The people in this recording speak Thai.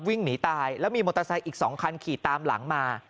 วิ่งหนีตายแล้วมีมอเตอร์ไซค์อีก๒คันขี่ตามหลังมา